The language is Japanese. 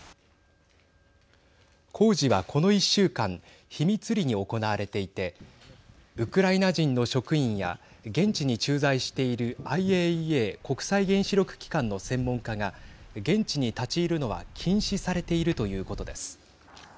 工事はこの１週間秘密裏に行われていてウクライナ人の職員や現地に駐在しているＩＡＥＡ＝国際原子力機関の専門家が現地に立ち入るのは禁止されているということです。